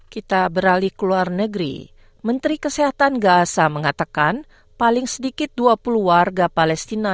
kita beralih ke luar negeri menteri kesehatan gaza mengatakan paling sedikit dua puluh warga palestina